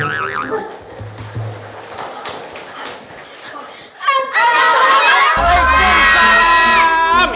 enggak boleh ngantuk